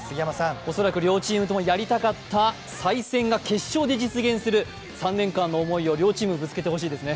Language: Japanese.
おそらく両チームともやりたかった再戦が決勝で実現する、３年間の思いを両チーム、ぶつけてほしいですね。